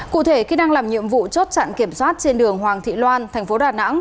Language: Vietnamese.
cụ thể khi đang làm nhiệm vụ chốt chặn kiểm soát trên đường hoàng thị loan tp đà nẵng